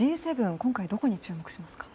今回どこに注目しますか？